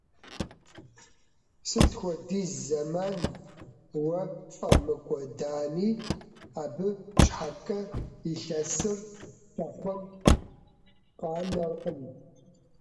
Сыт хуэдиз зэман уэ пфӀэмыкӀуэдами, абы щхьэкӀэ илъэсыр хэхъуэн къанэркъым.